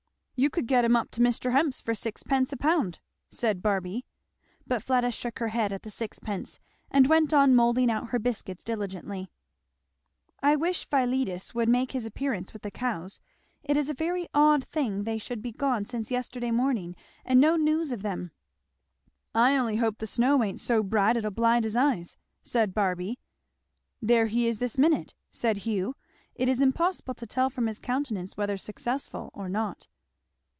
"You can get 'em up to Mr. Hemps's for sixpence a pound," said Barby. But Fleda shook her head at the sixpence and went on moulding out her biscuits diligently. "I wish Philetus would make his appearance with the cows it is a very odd thing they should be gone since yesterday morning and no news of them." "I only hope the snow ain't so bright it'll blind his eyes," said Barby. "There he is this minute," said Hugh. "It is impossible to tell from his countenance whether successful or not."